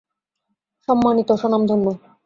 সম্মানিত, স্বনামধন্য।